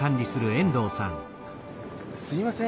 すみません。